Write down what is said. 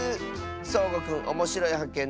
そうごくんおもしろいはっけん